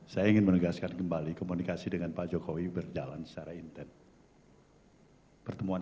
saya ingin menegaskan kembali komunikasi dengan pak jokowi berjalan